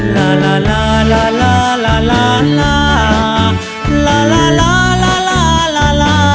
ลาลาลาลาลาลาลาลาลาลาลาลาลาลา